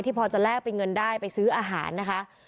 พอจะแลกเป็นเงินได้ไปซื้ออาหารนะคะ